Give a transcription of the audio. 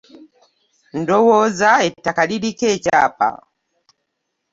Ndowooza ettaka liriko ekyapa.